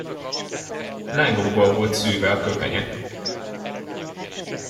Lángokból volt szőve a köpenye!